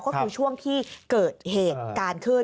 ก็คือช่วงที่เกิดเหตุการณ์ขึ้น